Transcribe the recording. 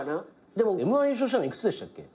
でもＭ−１優勝したの幾つでしたっけ？